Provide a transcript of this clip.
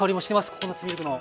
ココナツミルクの。